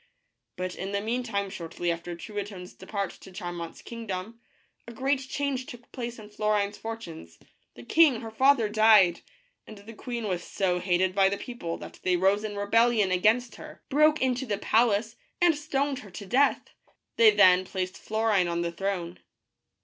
But in the meantime, shortly after Truitonne's departure to Charmant's kingdom, a great change took place in Flo rine's fortunes. The king, her father, died, and the queen was so hated by the people that they rose in rebellion against her, 246 THE BLUE BIRD. broke into the palace, and stoned her to death. They then placed Florine on the throne.